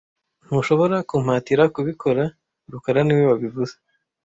Ntushobora kumpatira kubikora rukara niwe wabivuze